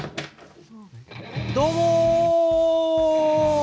どうも！